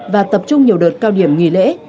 và tập trung nhiều đợt cao điểm nghỉ lễ